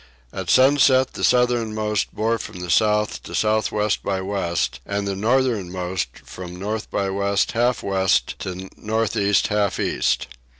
At sunset the southernmost bore from south to south west by west and the northernmost from north by west half west to north east half east.